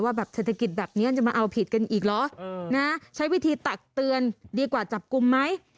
แบบเศรษฐกิจแบบนี้จะมาเอาผิดกันอีกเหรอนะใช้วิธีตักเตือนดีกว่าจับกลุ่มไหม